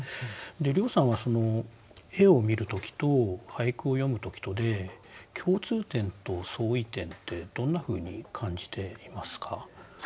涼さんは絵を見る時と俳句を詠む時とで共通点と相違点ってどんなふうに感じていますか？